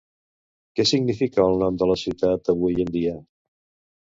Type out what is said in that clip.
Què significa el nom de la ciutat avui en dia?